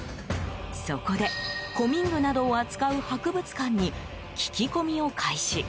そこで古民具などを扱う博物館に聞き込みを開始。